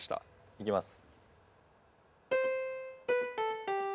いきます。